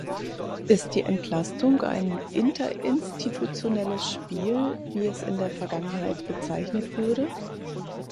Ist die Entlastung ein interinstitutionelles Spiel, wie es in der Vergangenheit bezeichnet wurde?